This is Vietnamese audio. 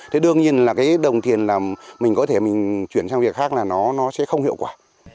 thế đương nhiên là cái đồng tiền là mình có thể mình chuyển sang việc khác là nó sẽ không hiệu quả